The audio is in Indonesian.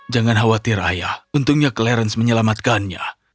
jangan khawatir ayah untungnya clarence menyelamatkannya